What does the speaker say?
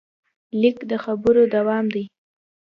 لیک د خبرو دوام دی.